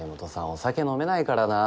お酒飲めないからな。